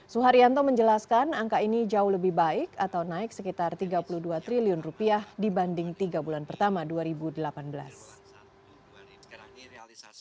suharyanto menjelaskan angka ini jauh lebih baik atau naik sekitar rp tiga puluh dua triliun rupiah dibanding tiga bulan pertama dua ribu delapan belas